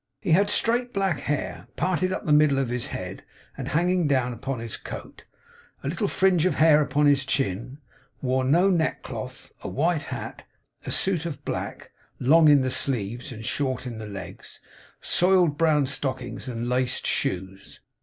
He had straight black hair, parted up the middle of his head and hanging down upon his coat; a little fringe of hair upon his chin; wore no neckcloth; a white hat; a suit of black, long in the sleeves and short in the legs; soiled brown stockings and laced shoes.